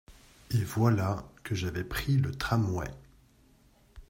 Et voilà que j’avais pris le tramway…